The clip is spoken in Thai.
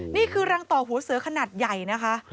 นี่คือรังต่อหัวเสือขนาดใหญ่นะคะ